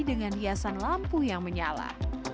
dengan hiasan lampu yang menyala